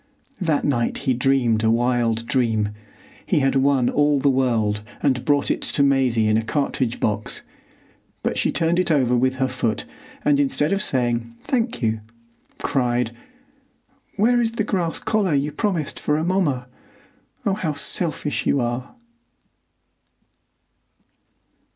That night he dreamed a wild dream. He had won all the world and brought it to Maisie in a cartridge box, but she turned it over with her foot, and, instead of saying "Thank you," cried—"Where is the grass collar you promised for Amomma? Oh, how selfish you are!"